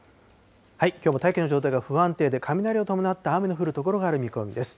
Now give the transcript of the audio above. きょうも大気の状態が不安定で、雷を伴った雨の降る所がある見込みです。